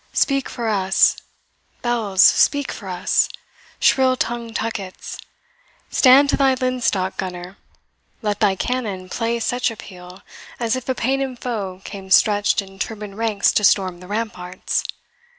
Speak for us, bells speak for us, shrill tongued tuckets. Stand to thy linstock, gunner; let thy cannon Play such a peal, as if a paynim foe Came stretch'd in turban'd ranks to storm the ramparts.